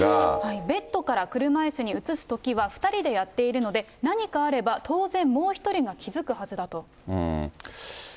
ベッドから車いすに移すとき２人でやっているので、何かあれば当然もう１人が気付くはずだと。